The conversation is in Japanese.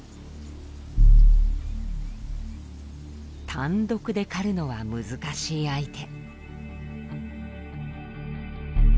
単独で狩るのは難しい相手。